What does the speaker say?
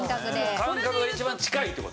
感覚が一番近いって事。